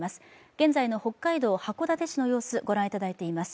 現在の北海道函館市の様子をご覧いただいています。